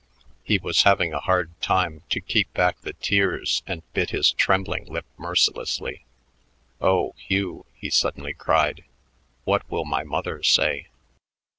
He was having a hard time to keep back the tears and bit his trembling lip mercilessly. "Oh, Hugh," he suddenly cried, "what will my mother say?"